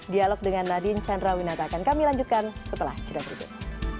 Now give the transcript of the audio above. dialog dengan nadine chandrawinata akan kami lanjutkan setelah jeda berikut